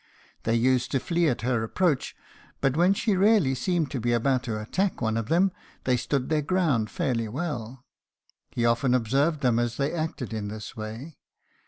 They used to flee at her approach, but when she really seemed to be about to attack one of them, they stood their ground fairly well. He often observed them as they acted in this way.